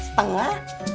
dua juta setengah